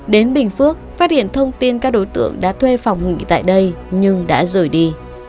đến bình phước phát hiện thông tin các đối tượng đã thuê phòng ngủy tại đây nhưng đã rời đi